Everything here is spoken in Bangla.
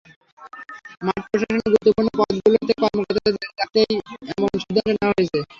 মাঠ প্রশাসনের গুরুত্বপূর্ণ পদগুলোতে কর্মকর্তাদের ধরে রাখতেই এমন সিদ্ধান্ত নেওয়া হয়েছে।